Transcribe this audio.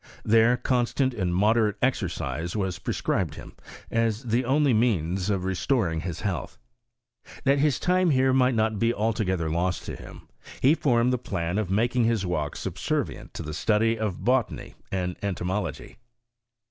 There constant and mo derate exercise was prescribed him, as the only means of restoring his health. That his time here might not be altogether lost to him, he formed the plan of making bis walks subservient to the study of botany and entomology.